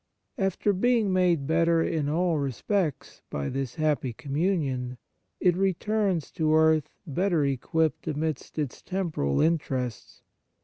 After being made better in all re spects by this happy communion, it returns to earth better equipped amidst its temporal interests.